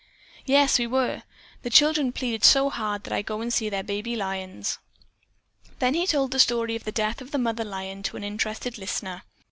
"Yes, we were. The children pleaded so hard that I go and see their baby lions." Then he told the story of the death of the mother lion to an interested listener.